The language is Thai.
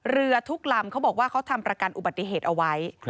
เรือทุกลำเขาบอกว่าเขาทำประกันอุบัติเหตุเอาไว้